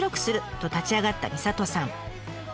と立ち上がったみさとさん。